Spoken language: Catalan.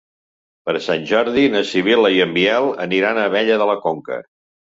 Per Sant Jordi na Sibil·la i en Biel aniran a Abella de la Conca.